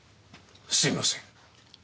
すいません。